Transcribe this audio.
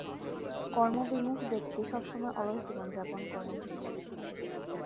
কর্মবিমুখ ব্যক্তি সবসময় অলস জীবনযাপন করে।